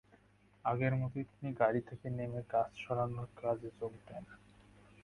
আগের মতোই তিনি গাড়ি থেকে নেমে গাছ সরানোর কাজে যোগ দেন।